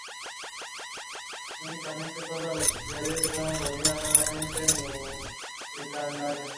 Los frisos de animales son comparativamente raros.